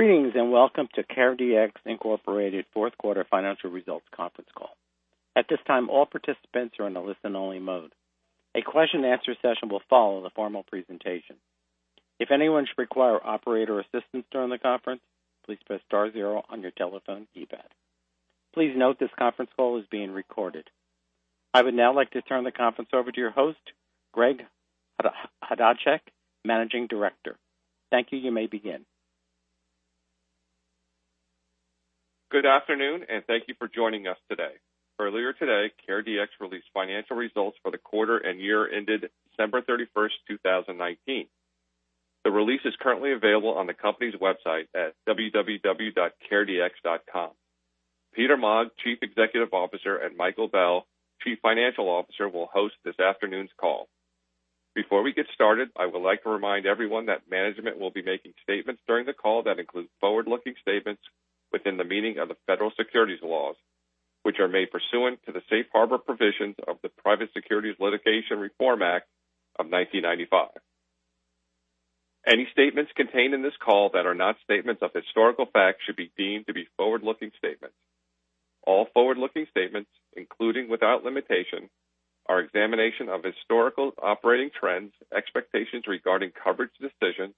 Greetings, welcome to CareDx Incorporated fourth quarter financial results conference call. At this time, all participants are in a listen-only mode. A question and answer session will follow the formal presentation. If anyone should require operator assistance during the conference, please press star zero on your telephone keypad. Please note this conference call is being recorded. I would now like to turn the conference over to your host, Greg Chodaczek, managing director. Thank you. You may begin. Good afternoon. Thank you for joining us today. Earlier today, CareDx released financial results for the quarter and year ended December 31st, 2019. The release is currently available on the company's website at www.caredx.com. Peter Maag, Chief Executive Officer, and Michael Bell, Chief Financial Officer, will host this afternoon's call. Before we get started, I would like to remind everyone that management will be making statements during the call that include forward-looking statements within the meaning of the federal securities laws, which are made pursuant to the safe harbor provisions of the Private Securities Litigation Reform Act of 1995. Any statements contained in this call that are not statements of historical fact should be deemed to be forward-looking statements. All forward-looking statements, including without limitation, our examination of historical operating trends, expectations regarding coverage decision,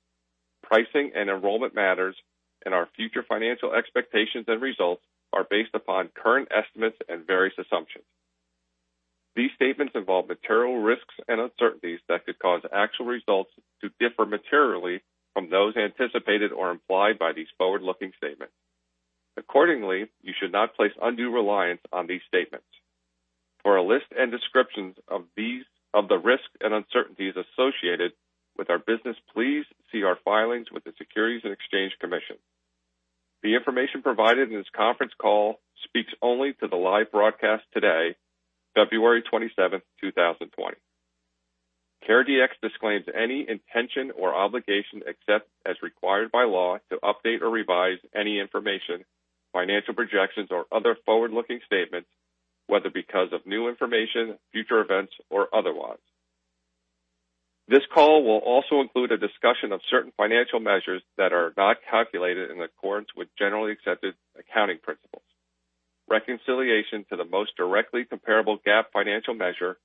pricing and enrollment matters, and our future financial expectations and results are based upon current estimates and various assumptions. These statements involve material risks and uncertainties that could cause actual results to differ materially from those anticipated or implied by these forward-looking statements. Accordingly, you should not place undue reliance on these statements. For a list and descriptions of the risks and uncertainties associated with our business, please see our filings with the Securities and Exchange Commission. The information provided in this conference call speaks only to the live broadcast today, February 27th, 2020. CareDx disclaims any intention or obligation, except as required by law, to update or revise any information, financial projections, or other forward-looking statements, whether because of new information, future events, or otherwise. This call will also include a discussion of certain financial measures that are not calculated in accordance with generally accepted accounting principles. Reconciliation to the most directly comparable GAAP financial measure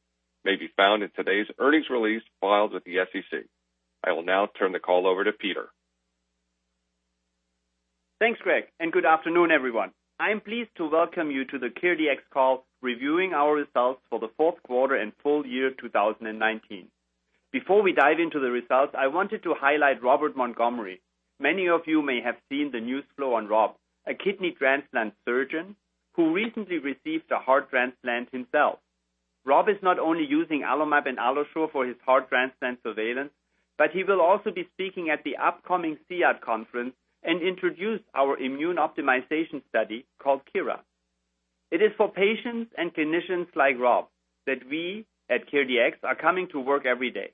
may be found in today's earnings release filed with the SEC. I will now turn the call over to Peter. Thanks, Greg, and good afternoon, everyone. I'm pleased to welcome you to the CareDx call reviewing our results for the fourth quarter and full year 2019. Before we dive into the results, I wanted to highlight Robert Montgomery. Many of you may have seen the news flow on Rob, a kidney transplant surgeon who recently received a heart transplant himself. Rob is not only using AlloMap and AlloSure for his heart transplant surveillance, but he will also be speaking at the upcoming CIAD conference and introduce our immune optimization study called CURA. It is for patients and clinicians like Rob that we at CareDx are coming to work every day.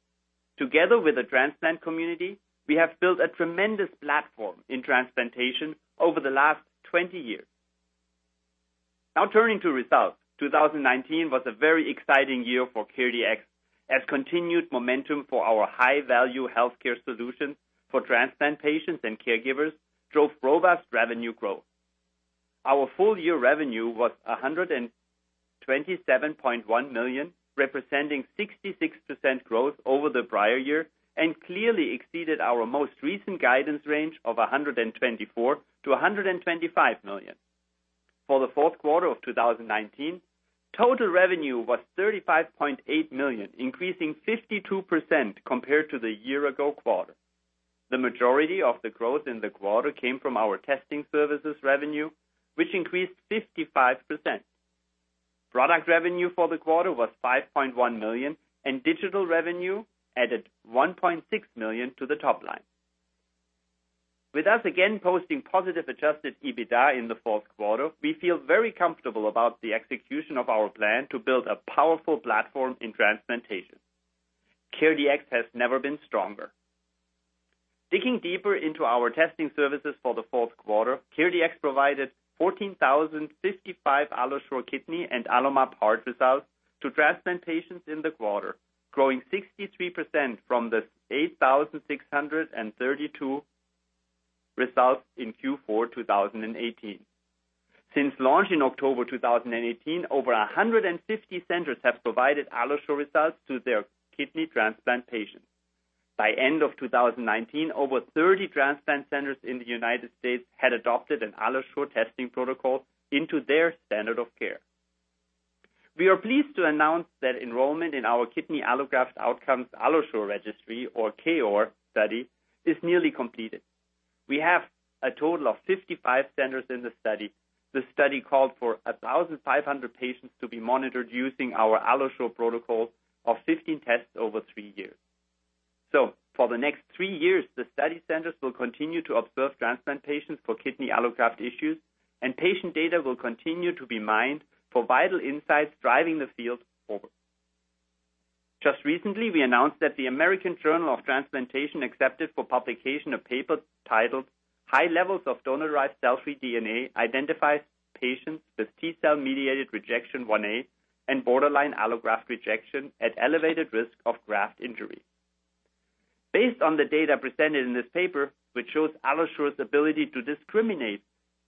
Together with the transplant community, we have built a tremendous platform in transplantation over the last 20 years. Turning to results. 2019 was a very exciting year for CareDx as continued momentum for our high-value healthcare solutions for transplant patients and caregivers drove robust revenue growth. Our full-year revenue was $127.1 million, representing 66% growth over the prior year and clearly exceeded our most recent guidance range of $124 million-$125 million. For the fourth quarter of 2019, total revenue was $35.8 million, increasing 52% compared to the year ago quarter. The majority of the growth in the quarter came from our testing services revenue, which increased 55%. Product revenue for the quarter was $5.1 million, and digital revenue added $1.6 million to the top line. With us again posting positive adjusted EBITDA in the fourth quarter, we feel very comfortable about the execution of our plan to build a powerful platform in transplantation. CareDx has never been stronger. Digging deeper into our testing services for the fourth quarter, CareDx provided 14,055 AlloSure Kidney and AlloMap Heart results to transplant patients in the quarter, growing 63% from the 8,632 results in Q4 2018. Since launch in October 2018, over 150 centers have provided AlloSure results to their kidney transplant patients. By end of 2019, over 30 transplant centers in the United States had adopted an AlloSure testing protocol into their standard of care. We are pleased to announce that enrollment in our Kidney Allograft Outcomes AlloSure Registry or KOAR study is nearly completed. We have a total of 55 centers in the study. The study called for 1,500 patients to be monitored using our AlloSure protocol of 15 tests over three years. For the next three years, the study centers will continue to observe transplant patients for kidney allograft issues, and patient data will continue to be mined for vital insights driving the field forward. Just recently, we announced that the American Journal of Transplantation accepted for publication a paper titled "High Levels of Donor-Derived Cell-Free DNA Identifies Patients with T-cell mediated rejection 1A and Borderline Allograft Rejection at Elevated Risk of Graft Injury." Based on the data presented in this paper, which shows AlloSure's ability to discriminate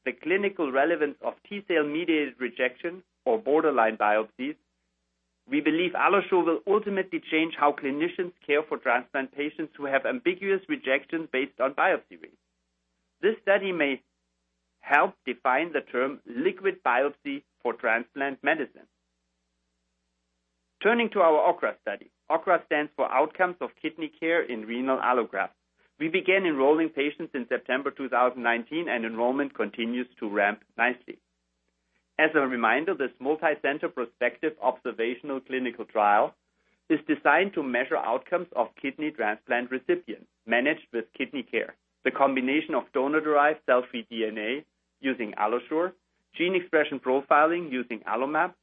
the clinical relevance of T-cell mediated rejection or borderline biopsies, we believe AlloSure will ultimately change how clinicians care for transplant patients who have ambiguous rejection based on biopsy reads. This study may help define the term liquid biopsy for transplant medicine. Turning to our OKRA study. OKRA stands for Outcomes of Kidney Care in Renal Allografts. We began enrolling patients in September 2019. Enrollment continues to ramp nicely. As a reminder, this multicenter prospective observational clinical trial is designed to measure outcomes of kidney transplant recipients managed with KidneyCare, the combination of donor-derived cell-free DNA using AlloSure, gene expression profiling using AlloMap,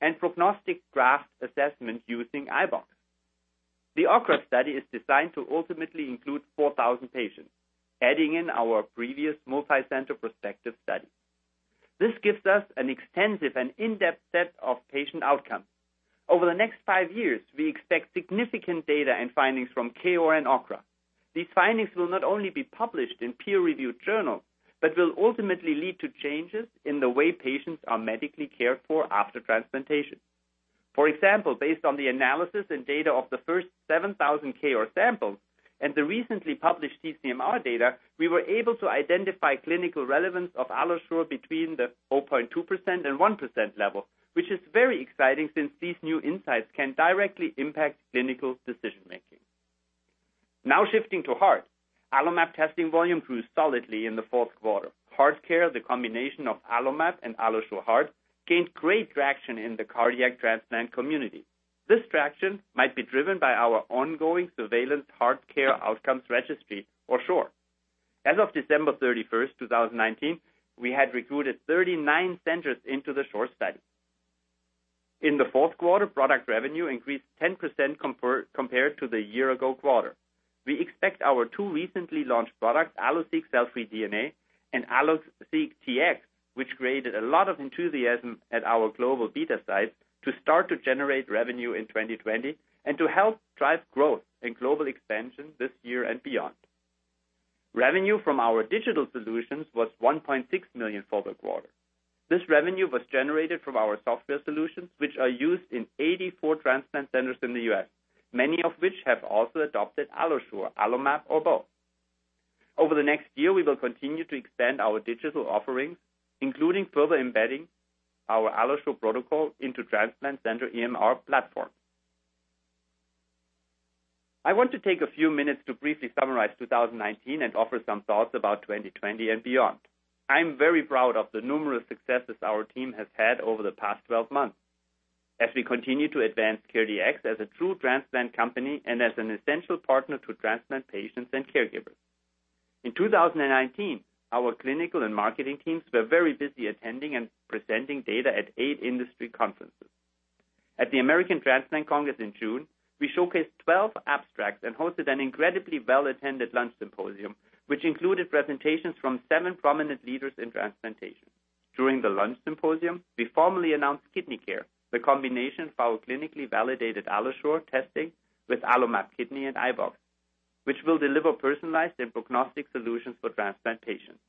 and prognostic graft assessment using iBox. The OKRA study is designed to ultimately include 4,000 patients, adding in our previous multicenter prospective study. This gives us an extensive and in-depth set of patient outcomes. Over the next five years, we expect significant data and findings from KOAR and OKRA. These findings will not only be published in peer-reviewed journals, but will ultimately lead to changes in the way patients are medically cared for after transplantation. For example, based on the analysis and data of the first 7,000 KOAR samples and the recently published TCMR data, we were able to identify clinical relevance of AlloSure between the 0.2% and 1% level, which is very exciting since these new insights can directly impact clinical decision-making. Now shifting to heart. AlloMap testing volume grew solidly in the fourth quarter. HeartCare, the combination of AlloMap and AlloSure Heart, gained great traction in the cardiac transplant community. This traction might be driven by our ongoing Surveillance HeartCare Outcomes Registry, or SHORE. As of December 31st, 2019, we had recruited 39 centers into the SHORE study. In the fourth quarter, product revenue increased 10% compared to the year-ago quarter. We expect our two recently launched products, AlloSeq cfDNA and AlloSeq Tx, which created a lot of enthusiasm at our global beta sites, to start to generate revenue in 2020 and to help drive growth and global expansion this year and beyond. Revenue from our digital solutions was $1.6 million for the quarter. This revenue was generated from our software solutions, which are used in 84 transplant centers in the U.S., many of which have also adopted AlloSure, AlloMap or both. Over the next year, we will continue to expand our digital offerings, including further embedding our AlloSure protocol into transplant center EMR platform. I want to take a few minutes to briefly summarize 2019 and offer some thoughts about 2020 and beyond. I'm very proud of the numerous successes our team has had over the past 12 months as we continue to advance CareDx as a true transplant company and as an essential partner to transplant patients and caregivers. In 2019, our clinical and marketing teams were very busy attending and presenting data at eight industry conferences. At the American Transplant Congress in June, we showcased 12 abstracts and hosted an incredibly well-attended lunch symposium, which included presentations from seven prominent leaders in transplantation. During the lunch symposium, we formally announced KidneyCare, the combination of our clinically validated AlloSure testing with AlloMap Kidney and iBox, which will deliver personalized and prognostic solutions for transplant patients.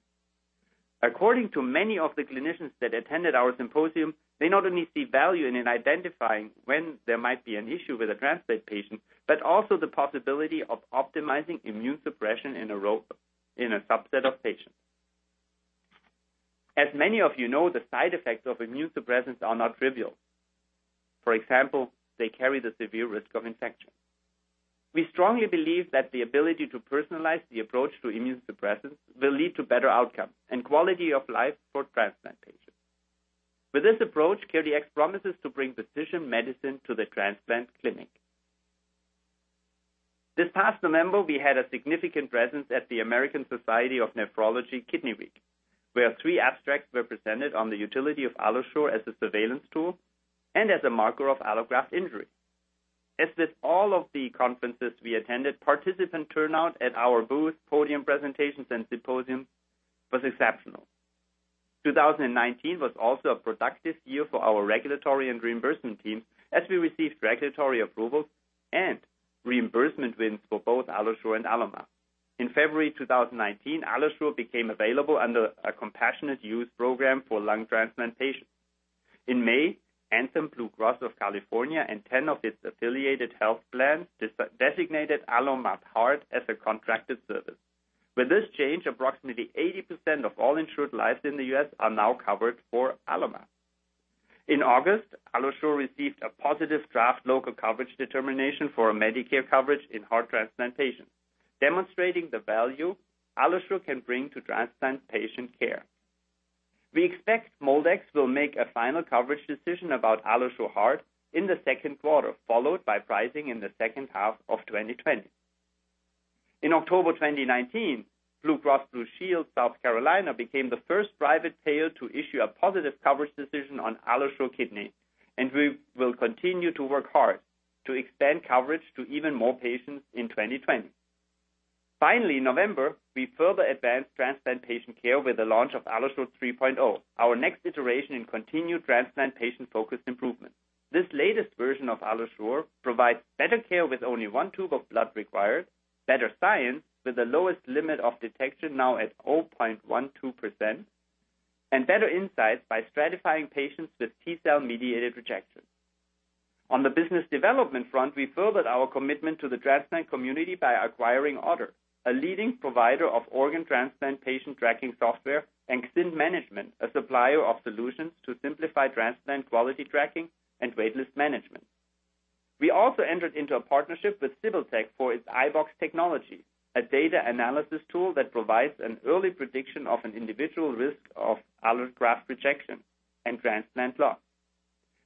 According to many of the clinicians that attended our symposium, they not only see value in identifying when there might be an issue with a transplant patient, but also the possibility of optimizing immune suppression in a subset of patients. As many of you know, the side effects of immune suppressants are not trivial. For example, they carry the severe risk of infection. We strongly believe that the ability to personalize the approach to immune suppressants will lead to better outcomes and quality of life for transplant patients. With this approach, CareDx promises to bring precision medicine to the transplant clinic. This past November, we had a significant presence at the American Society of Nephrology Kidney Week, where three abstracts were presented on the utility of AlloSure as a surveillance tool and as a marker of allograft injury. As with all of the conferences we attended, participant turnout at our booth, podium presentations, and symposium was exceptional. 2019 was also a productive year for our regulatory and reimbursement team as we received regulatory approvals and reimbursement wins for both AlloSure and AlloMap. In February 2019, AlloSure became available under a compassionate use program for lung transplant patients. In May, Anthem Blue Cross of California and 10 of its affiliated health plans designated AlloMap Heart as a contracted service. With this change, approximately 80% of all insured lives in the U.S. are now covered for AlloMap. In August, AlloSure received a positive draft local coverage determination for Medicare coverage in heart transplantation, demonstrating the value AlloSure can bring to transplant patient care. We expect MolDX will make a final coverage decision about AlloSure Heart in the second quarter, followed by pricing in the second half of 2020. In October 2019, BlueCross BlueShield of South Carolina became the first private payer to issue a positive coverage decision on AlloSure Kidney, and we will continue to work hard to expand coverage to even more patients in 2020. In November, we further advanced transplant patient care with the launch of AlloSure 3.0, our next iteration in continued transplant patient-focused improvements. This latest version of AlloSure provides better care with only one tube of blood required, better science with the lowest limit of detection now at 0.12%, and better insights by stratifying patients with T-cell-mediated rejection. On the business development front, we furthered our commitment to the transplant community by acquiring Ottr, a leading provider of organ transplant patient tracking software, and XynManagement, a supplier of solutions to simplify transplant quality tracking and waitlist management. We also entered into a partnership with Cibiltech for its iBox technology, a data analysis tool that provides an early prediction of an individual risk of allograft rejection and transplant loss.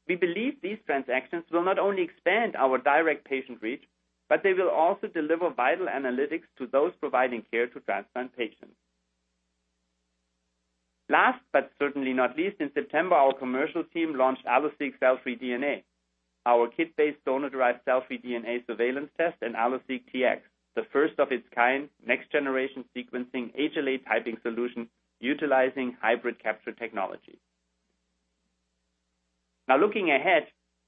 We believe these transactions will not only expand our direct patient reach, but they will also deliver vital analytics to those providing care to transplant patients. Last, but certainly not least, in September, our commercial team launched AlloSeq cfDNA, our kit-based donor-derived cell-free DNA surveillance test, and AlloSeq Tx, the first of its kind next generation sequencing HLA typing solution utilizing hybrid capture technology. Now looking ahead,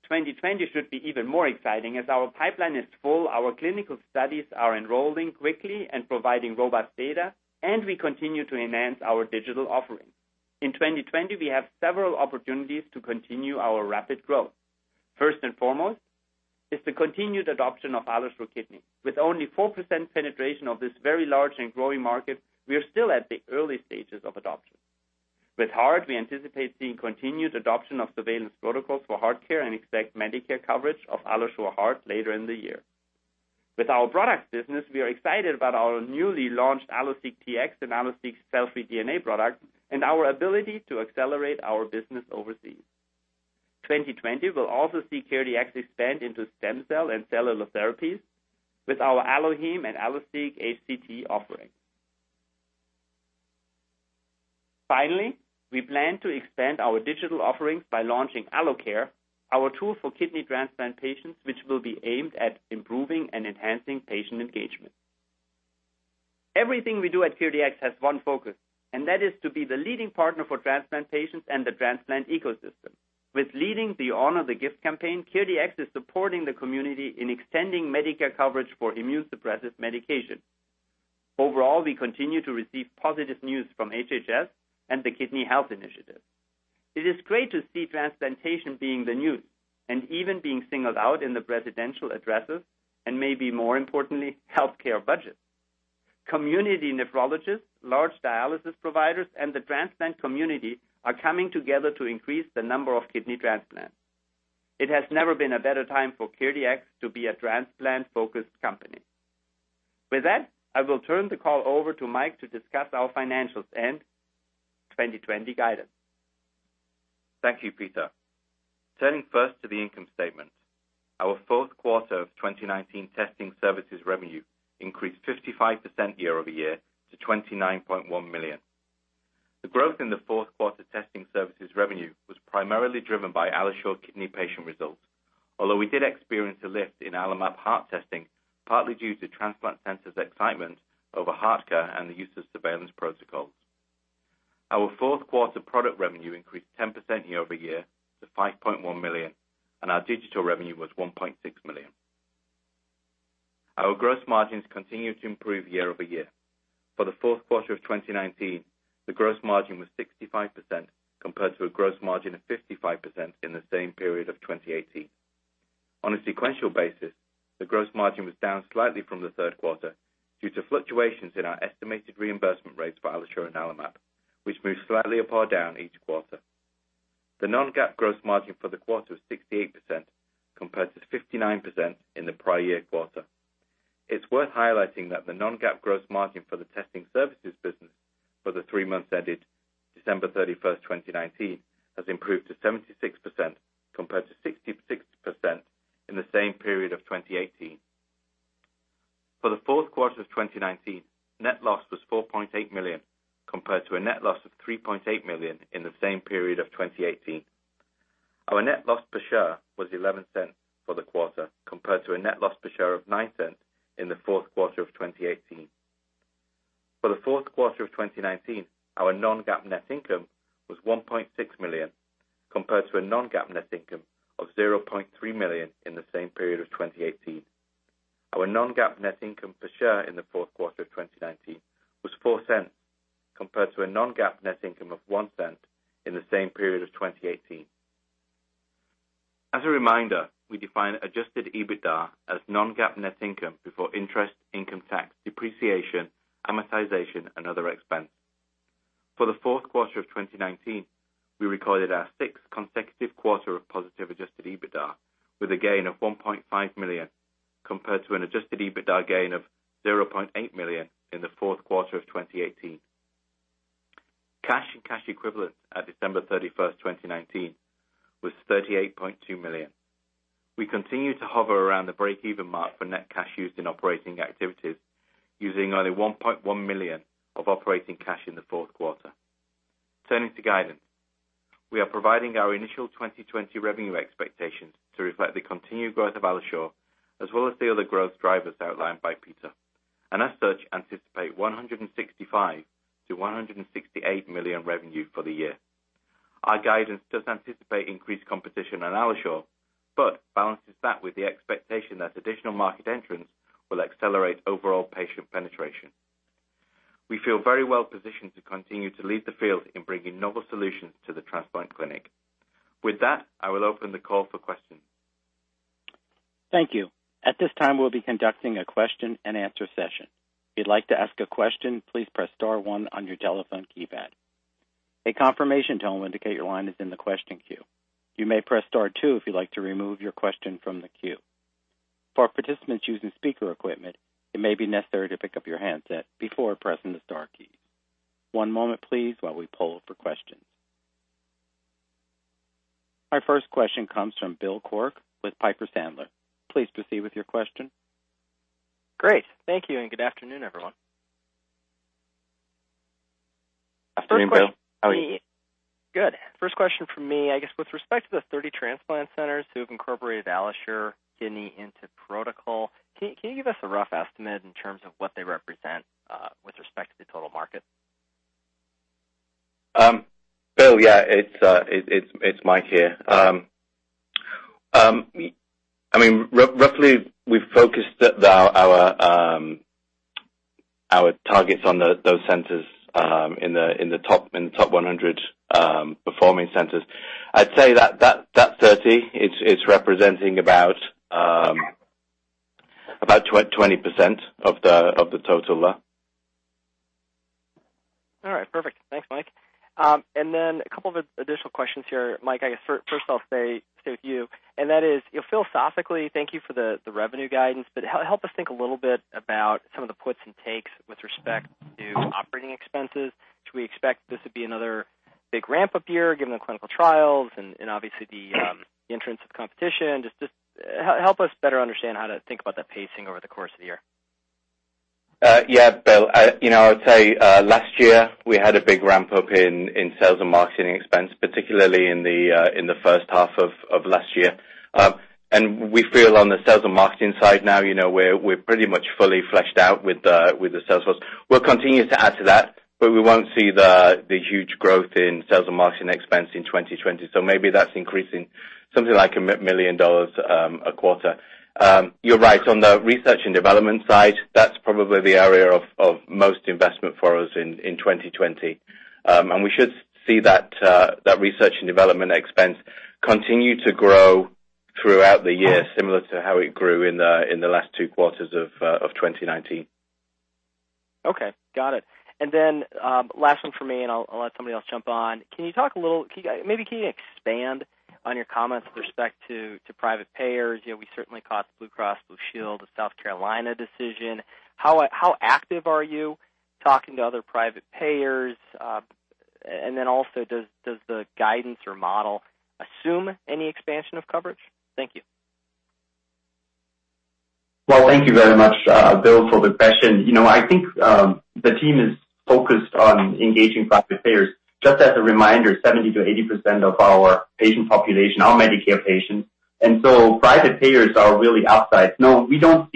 2020 should be even more exciting as our pipeline is full, our clinical studies are enrolling quickly and providing robust data, and we continue to enhance our digital offerings. In 2020, we have several opportunities to continue our rapid growth. First and foremost is the continued adoption of AlloSure Kidney. With only 4% penetration of this very large and growing market, we are still at the early stages of adoption. With heart, we anticipate seeing continued adoption of surveillance protocols for HeartCare and expect Medicare coverage of AlloSure Heart later in the year. With our product business, we are excited about our newly launched AlloSeq Tx and AlloSeq cfDNA product and our ability to accelerate our business overseas. 2020 will also see CareDx expand into stem cell and cellular therapies with our AlloSeq HCT and AlloSeq HCT offerings. Finally, we plan to expand our digital offerings by launching AlloCare, our tool for kidney transplant patients, which will be aimed at improving and enhancing patient engagement. Everything we do at CareDx has one focus, and that is to be the leading partner for transplant patients and the transplant ecosystem. With leading the Honor the Gift campaign, CareDx is supporting the community in extending Medicare coverage for immune-suppressive medication. Overall, we continue to receive positive news from HHS and the Kidney Health Initiative. It is great to see transplantation being the news and even being singled out in the presidential addresses and maybe more importantly, healthcare budget. Community nephrologists, large dialysis providers, and the transplant community are coming together to increase the number of kidney transplants. It has never been a better time for CareDx to be a transplant-focused company. With that, I will turn the call over to Michael to discuss our financials and 2020 guidance. Thank you, Peter. Turning first to the income statement. Our fourth quarter of 2019 testing services revenue increased 55% year-over-year to $29.1 million. The growth in the fourth quarter testing services revenue was primarily driven by AlloSure Kidney patient results. We did experience a lift in AlloMap Heart testing, partly due to transplant centers' excitement over HeartCare and the use of surveillance protocols. Our fourth quarter product revenue increased 10% year-over-year to $5.1 million, our digital revenue was $1.6 million. Our gross margins continue to improve year-over-year. For the fourth quarter of 2019, the gross margin was 65%, compared to a gross margin of 55% in the same period of 2018. On a sequential basis, the gross margin was down slightly from the third quarter due to fluctuations in our estimated reimbursement rates for AlloSure and AlloMap, which move slightly up or down each quarter. The non-GAAP gross margin for the quarter was 68%, compared to 59% in the prior year quarter. It's worth highlighting that the non-GAAP gross margin for the testing services business for the three months ended December 31st, 2019, has improved to 76%, compared to 66% in the same period of 2018. For the fourth quarter of 2019, net loss was $4.8 million, compared to a net loss of $3.8 million in the same period of 2018. Our net loss per share was $0.11 for the quarter, compared to a net loss per share of $0.09 in the fourth quarter of 2018. For the fourth quarter of 2019, our non-GAAP net income was $1.6 million, compared to a non-GAAP net income of $0.3 million in the same period of 2018. Our non-GAAP net income per share in the fourth quarter of 2019 was $0.04, compared to a non-GAAP net income of $0.01 in the same period of 2018. As a reminder, we define adjusted EBITDA as non-GAAP net income before interest, income tax, depreciation, amortization, and other expense. For the fourth quarter of 2019, we recorded our sixth consecutive quarter of positive adjusted EBITDA with a gain of $1.5 million, compared to an adjusted EBITDA gain of $0.8 million in the fourth quarter of 2018. Cash and cash equivalents at December 31st, 2019, was $38.2 million. We continue to hover around the breakeven mark for net cash used in operating activities, using only $1.1 million of operating cash in the fourth quarter. Turning to guidance, we are providing our initial 2020 revenue expectations to reflect the continued growth of AlloSure, as well as the other growth drivers outlined by Peter. As such, anticipate $165 million-$168 million revenue for the year. Our guidance does anticipate increased competition on AlloSure, but balances that with the expectation that additional market entrants will accelerate overall patient penetration. We feel very well positioned to continue to lead the field in bringing novel solutions to the transplant clinic. With that, I will open the call for questions. Thank you. At this time, we'll be conducting a question and answer session. If you'd like to ask a question, please press star one on your telephone keypad. A confirmation tone will indicate your line is in the question queue. You may press star two if you'd like to remove your question from the queue. For participants using speaker equipment, it may be necessary to pick up your handset before pressing the star keys. One moment please, while we poll for questions. Our first question comes from Bill Quirk with Piper Sandler. Please proceed with your question. Great. Thank you. Good afternoon, everyone. Good afternoon, Bill. How are you? Good. First question from me, I guess with respect to the 30 transplant centers who have incorporated AlloSure Kidney into protocol, can you give us a rough estimate in terms of what they represent, with respect to the total market? Bill, yeah, it's Mike here. Roughly, we've focused our targets on those centers in the top 100 performing centers. I'd say that 30, it's representing about 20% of the total. All right. Perfect. Thanks, Mike. Then a couple of additional questions here. Mike, I guess first I'll stay with you, and that is, philosophically, thank you for the revenue guidance, but help us think a little bit about some of the puts and takes with respect to operating expenses. Should we expect this to be another big ramp up year given the clinical trials and obviously the entrance of competition? Just help us better understand how to think about that pacing over the course of the year. Yeah, Bill. I would say, last year we had a big ramp up in sales and marketing expense, particularly in the first half of last year. We feel on the sales and marketing side now, we're pretty much fully fleshed out with the sales force. We'll continue to add to that, but we won't see the huge growth in sales and marketing expense in 2020. Maybe that's increasing something like $1 million a quarter. You're right. On the research and development side, that's probably the area of most investment for us in 2020. We should see that research and development expense continue to grow throughout the year, similar to how it grew in the last two quarters of 2019. Okay. Got it. Then, last one from me, and I'll let somebody else jump on. Maybe can you expand on your comments with respect to private payers? We certainly caught the BlueCross BlueShield of South Carolina decision. How active are you talking to other private payers? Then also, does the guidance or model assume any expansion of coverage? Thank you. Well, thank you very much, Bill, for the question. I think, the team is focused on engaging private payers. Just as a reminder, 70%-80% of our patient population are Medicare patients, private payers are really outside. No, we don't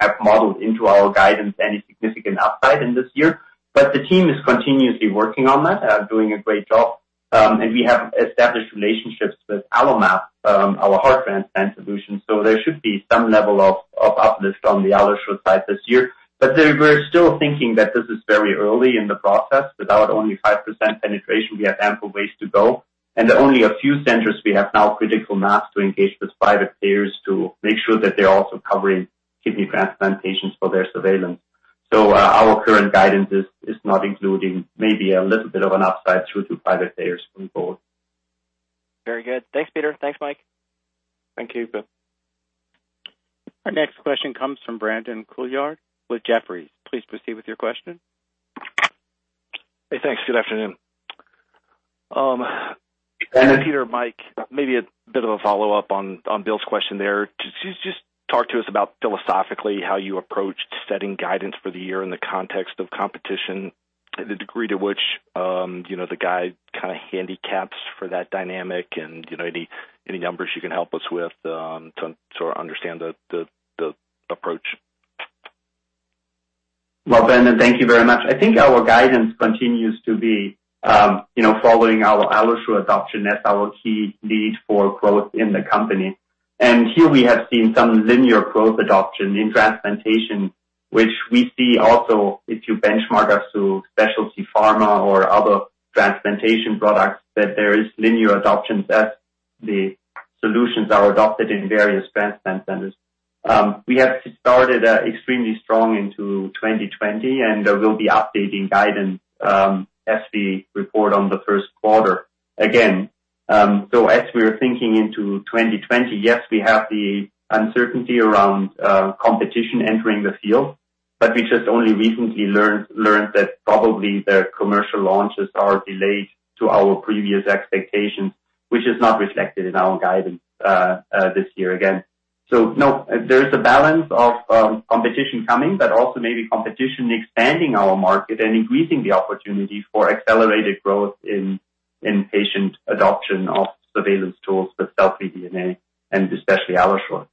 have modeled into our guidance any significant upside in this year. The team is continuously working on that, doing a great job. We have established relationships with AlloMap, our heart transplant solution. There should be some level of uplift on the AlloSure side this year. We're still thinking that this is very early in the process. With our only 5% penetration, we have ample ways to go, and only a few centers we have now, critical mass to engage with private payers to make sure that they're also covering kidney transplant patients for their surveillance. Our current guidance is not including maybe a little bit of an upside through to private payers going forward. Very good. Thanks, Peter. Thanks, Mike. Thank you, Bill. Our next question comes from Brandon Couillard with Jefferies. Please proceed with your question. Hey, thanks. Good afternoon. Peter, Mike, maybe a bit of a follow-up on Bill's question there. Could you just talk to us about philosophically, how you approached setting guidance for the year in the context of competition, the degree to which the guide kind of handicaps for that dynamic, and any numbers you can help us with to sort of understand the approach? Well, Ben, thank you very much. I think our guidance continues to be following our AlloSure adoption. That's our key lead for growth in the company. Here we have seen some linear growth adoption in transplantation, which we see also if you benchmark us to specialty pharma or other transplantation products, that there is linear adoption as the solutions are adopted in various transplant centers. We have started extremely strong into 2020, and we'll be updating guidance as we report on the first quarter again. As we are thinking into 2020, yes, we have the uncertainty around competition entering the field, but we just only recently learned that probably their commercial launches are delayed to our previous expectations, which is not reflected in our guidance this year again. No, there is a balance of competition coming, but also maybe competition expanding our market and increasing the opportunity for accelerated growth in patient adoption of surveillance tools for cell-free DNA and especially AlloSure.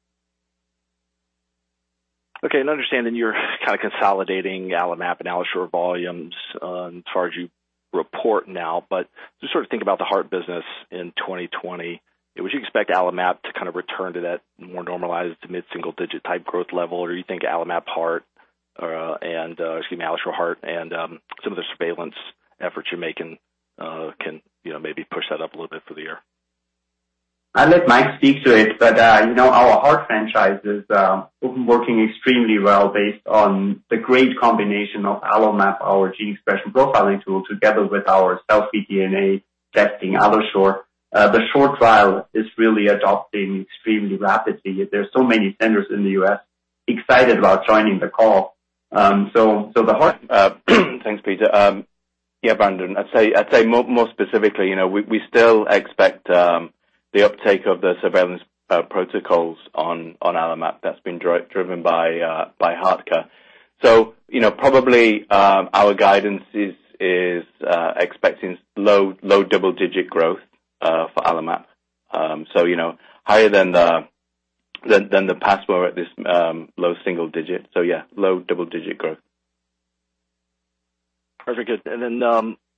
Okay. I understand that you're kind of consolidating AlloMap and AlloSure volumes as far as you report now, but just sort of think about the heart business in 2020. Would you expect AlloMap to kind of return to that more normalized mid-single digit type growth level? You think AlloMap Heart and, excuse me, AlloSure Heart and some of the surveillance efforts you're making can maybe push that up a little bit for the year? I'll let Mike speak to it, but our heart franchise is working extremely well based on the great combination of AlloMap, our gene expression profiling tool, together with our cell-free DNA testing, AlloSure. The SHORE trial is really adopting extremely rapidly. There's so many centers in the U.S. excited about joining the call. Thanks, Peter. Yeah, Brandon, I'd say more specifically, we still expect the uptake of the surveillance protocols on AlloMap that's been driven by HeartCare. Probably, our guidance is expecting low double-digit growth for AlloMap. Higher than the past where we're at this low single digit. Yeah, low double-digit growth. Perfect.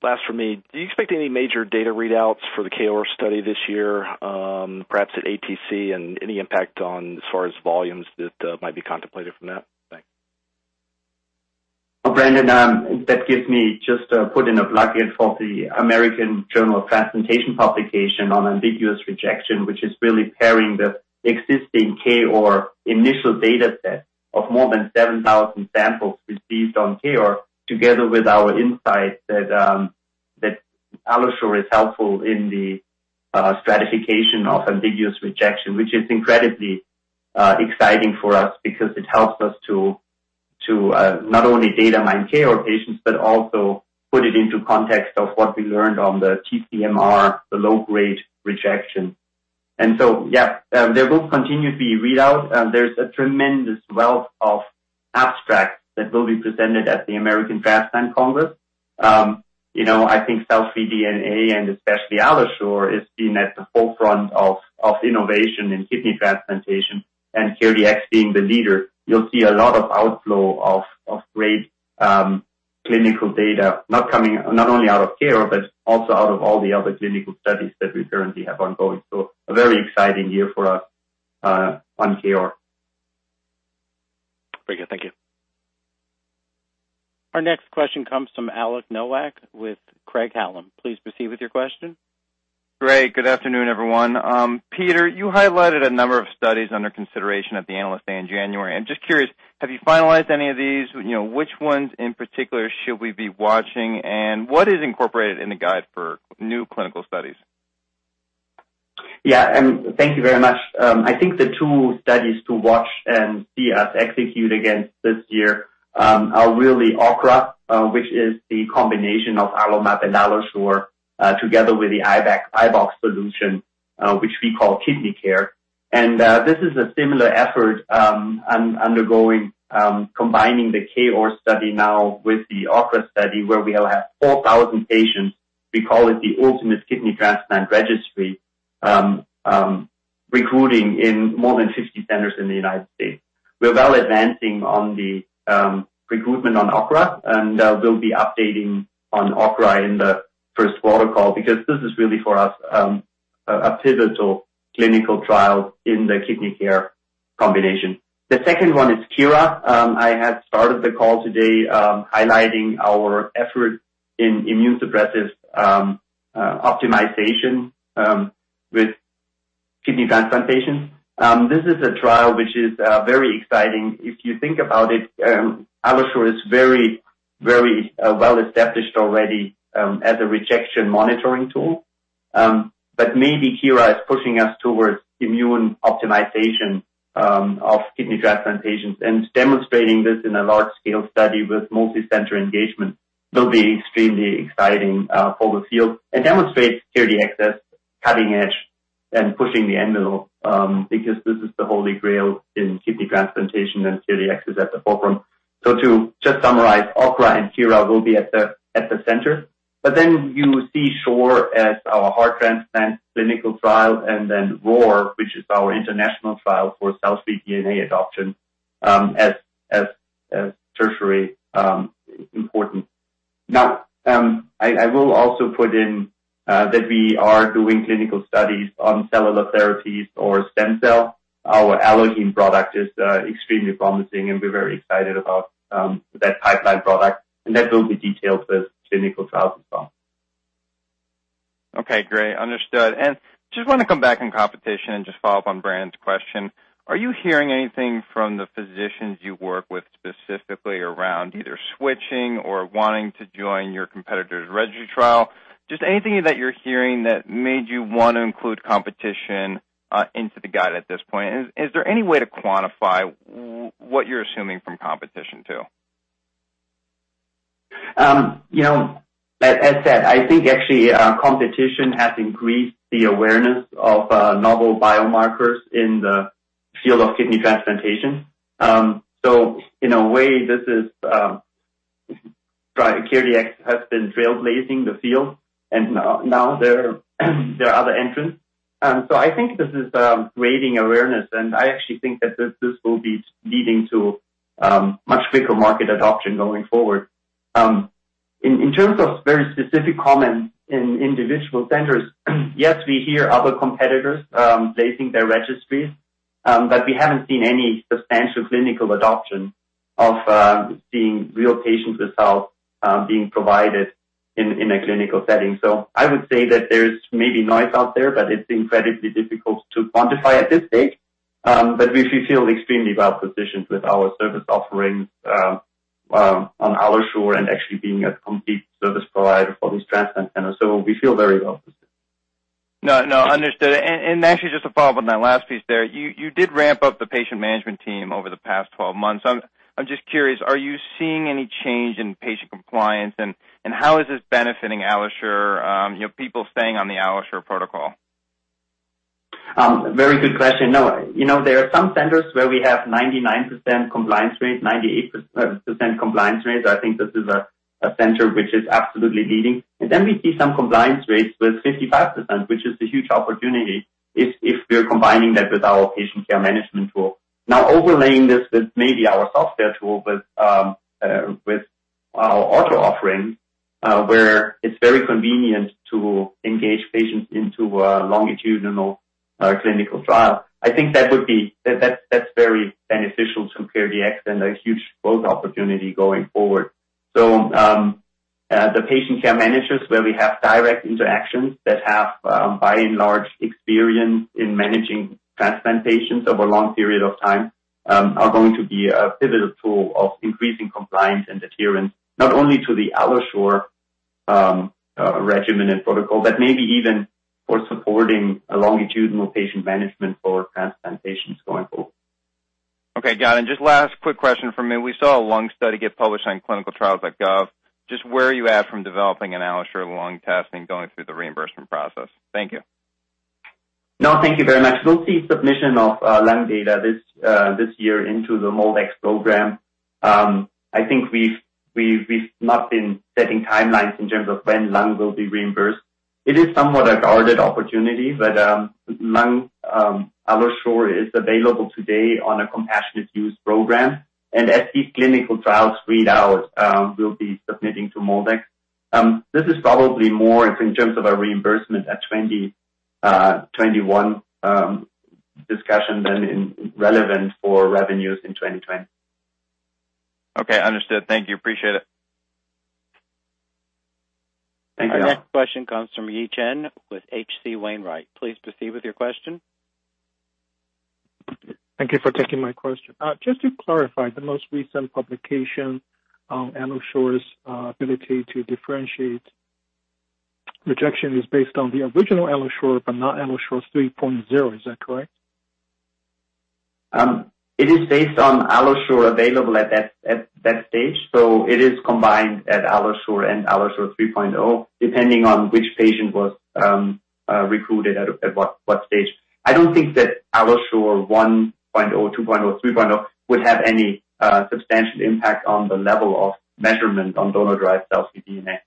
Last from me, do you expect any major data readouts for the KOAR study this year, perhaps at ATC and any impact on as far as volumes that might be contemplated from that? Thanks. Brandon, that gives me just put in a plug-in for the American Journal of Transplantation publication on ambiguous rejection, which is really pairing the existing KOAR initial data set of more than 7,000 samples received on KOAR together with our insight that AlloSure is helpful in the stratification of ambiguous rejection, which is incredibly exciting for us because it helps us to not only data mine KOAR patients, but also put it into context of what we learned on the TCMR, the low grade rejection. Yeah, there will continue to be readouts. There's a tremendous wealth of abstracts that will be presented at the American Transplant Congress. I think cell-free DNA and especially AlloSure is seen at the forefront of innovation in kidney transplantation and CareDx being the leader. You'll see a lot of outflow of great clinical data not only out of KOR, but also out of all the other clinical studies that we currently have ongoing. A very exciting year for us on KOR. Very good. Thank you. Our next question comes from Alex Nowak with Craig-Hallum. Please proceed with your question. Great. Good afternoon, everyone. Peter, you highlighted a number of studies under consideration at the Analyst Day in January. I'm just curious, have you finalized any of these? Which ones in particular should we be watching? What is incorporated in the guide for new clinical studies? Yeah. Thank you very much. I think the two studies to watch and see us execute against this year are really OKRA, which is the combination of AlloMap and AlloSure, together with the iBox solution, which we call KidneyCare. This is a similar effort undergoing combining the KOAR study now with the OKRA study, where we'll have 4,000 patients. We call it the Ultimate Kidney Transplant Registry, recruiting in more than 50 centers in the U.S. We're well advancing on the recruitment on OKRA, and we'll be updating on OKRA in the first quarter call because this is really for us a pivotal clinical trial in the KidneyCare combination. The second one is CURA. I had started the call today highlighting our effort in immune suppressive optimization with kidney transplantation. This is a trial which is very exciting. If you think about it, AlloSure is very well established already as a rejection monitoring tool. Maybe CURA is pushing us towards immune optimization of kidney transplant patients and demonstrating this in a large-scale study with multi-center engagement will be extremely exciting for the field and demonstrates CareDx as cutting edge and pushing the envelope because this is the holy grail in kidney transplantation, and CareDx is at the forefront. To just summarize, OKRA and CURA will be at the center, but then you see SURE as our heart transplant clinical trial, and then ROAR, which is our international trial for cell-free DNA adoption as tertiary important. Now, I will also put in that we are doing clinical studies on cellular therapies or stem cell. Our Allogene product is extremely promising, and we're very excited about that pipeline product, and that will be detailed with clinical trials as well. Okay, great. Understood. Just want to come back on competition and just follow up on Brandon's question. Are you hearing anything from the physicians you work with specifically around either switching or wanting to join your competitor's registry trial? Just anything that you're hearing that made you want to include competition into the guide at this point. Is there any way to quantify what you're assuming from competition too? As said, I think actually competition has increased the awareness of novel biomarkers in the field of kidney transplantation. In a way, CareDx has been trailblazing the field, and now there are other entrants. I think this is creating awareness, and I actually think that this will be leading to much quicker market adoption going forward. In terms of very specific comments in individual centers, yes, we hear other competitors placing their registries, but we haven't seen any substantial clinical adoption of seeing real patient results being provided in a clinical setting. I would say that there's maybe noise out there, but it's incredibly difficult to quantify at this stage. We feel extremely well-positioned with our service offerings on AlloSure and actually being a complete service provider for these transplant centers. We feel very well-positioned. No, understood. Actually, just a follow-up on that last piece there. You did ramp up the patient management team over the past 12 months. I'm just curious, are you seeing any change in patient compliance, and how is this benefiting AlloSure, people staying on the AlloSure protocol? Very good question. There are some centers where we have 99% compliance rate, 98% compliance rate. I think this is a center which is absolutely leading. We see some compliance rates with 55%, which is a huge opportunity if we're combining that with our patient care management tool. Now overlaying this with maybe our software tool, with our Ottr offering, where it's very convenient to engage patients into a longitudinal clinical trial. I think that's very beneficial to CareDx and a huge growth opportunity going forward. The patient care managers where we have direct interactions that have, by and large, experience in managing transplant patients over long period of time, are going to be a pivotal tool of increasing compliance and adherence, not only to the AlloSure regimen and protocol, but maybe even for supporting a longitudinal patient management for transplant patients going forward. Okay, got it. Last quick question from me. We saw a lung study get published on ClinicalTrials.gov. Where are you at from developing an AlloSure Lung testing going through the reimbursement process? Thank you. No, thank you very much. We'll see submission of lung data this year into the MolDX program. I think we've not been setting timelines in terms of when lung will be reimbursed. It is somewhat a guarded opportunity, but lung AlloSure is available today on a compassionate use program. As these clinical trials read out, we'll be submitting to MolDX. This is probably more in terms of a reimbursement at 2021 discussion than relevant for revenues in 2020. Okay, understood. Thank you. Appreciate it. Thank you. Our next question comes from Yi Chen with H.C. Wainwright. Please proceed with your question. Thank you for taking my question. Just to clarify, the most recent publication on AlloSure's ability to differentiate rejection is based on the original AlloSure, but not AlloSure 3.0. Is that correct? It is based on AlloSure available at that stage. It is combined at AlloSure and AlloSure 3.0, depending on which patient was recruited at what stage. I don't think that AlloSure 1.0, 2.0, 3.0 would have any substantial impact on the level of measurement on donor-derived cell-free DNA.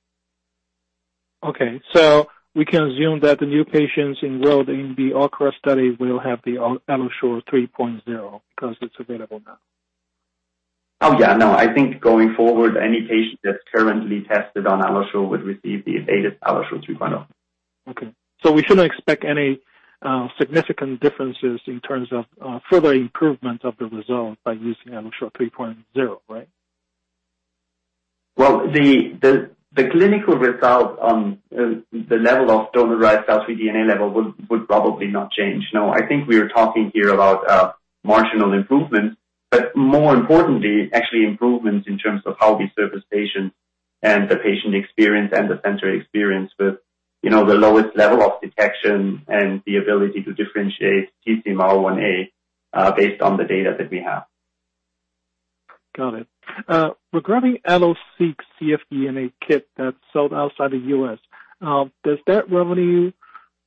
Okay. We can assume that the new patients enrolled in the ORCHESTRATE study will have the AlloSure 3.0 because it's available now. Oh, yeah. I think going forward, any patient that's currently tested on AlloSure would receive the updated AlloSure 3.0. Okay. We shouldn't expect any significant differences in terms of further improvement of the results by using AlloSure 3.0, right? Well, the clinical results on the level of donor-derived cell-free DNA level would probably not change. No, I think we are talking here about marginal improvements, but more importantly, actually improvements in terms of how we service patients and the patient experience and the center experience with the lowest level of detection and the ability to differentiate TCMR 1A based on the data that we have. Got it. Regarding AlloSeq cfDNA kit that's sold outside the U.S., does that revenue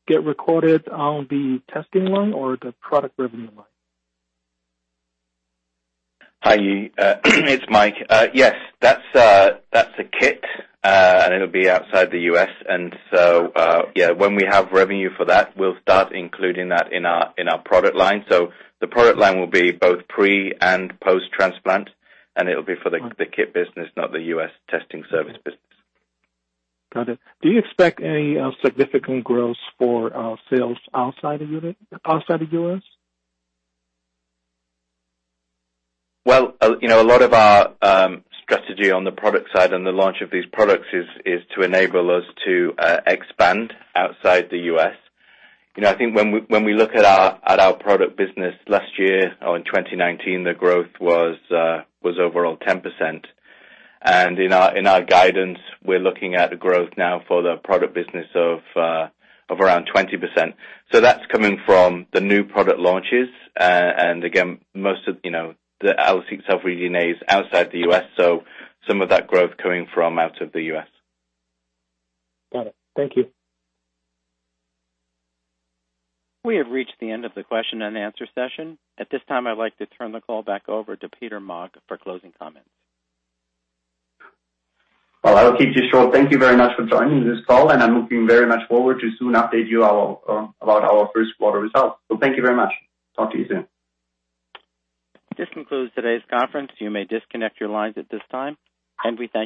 get recorded on the testing line or the product revenue line? Hi, Yi. It's Mike. Yes, that's a kit, and it'll be outside the U.S., and so, yeah, when we have revenue for that, we'll start including that in our product line. The product line will be both pre- and post-transplant, and it'll be for the kit business, not the U.S. testing service business. Got it. Do you expect any significant growth for sales outside of U.S.? Well, a lot of our strategy on the product side and the launch of these products is to enable us to expand outside the U.S. I think when we look at our product business last year, or in 2019, the growth was overall 10%. In our guidance, we're looking at a growth now for the product business of around 20%. That's coming from the new product launches. Again, most of the AlloSeq cell-free DNA is outside the U.S., some of that growth coming from out of the U.S. Got it. Thank you. We have reached the end of the question and answer session. At this time, I'd like to turn the call back over to Peter Maag for closing comments. Well, I'll keep this short. Thank you very much for joining this call, and I'm looking very much forward to soon update you all about our first quarter results. Thank you very much. Talk to you soon. This concludes today's conference. You may disconnect your lines at this time, and we thank you.